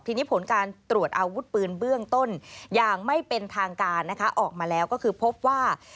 ทีนี้ผลการตรวจอาวุธปืนเบื้องต้นอย่างไม่เป็นทางการนะคะออกมาแล้วก็คือพบว่า